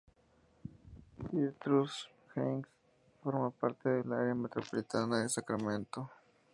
Citrus Heights forma parte del área metropolitana de Sacramento.